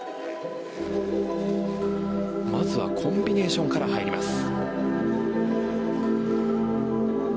まずはコンビネーションから入ります。